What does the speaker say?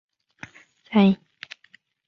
圣布里克德朗代莱。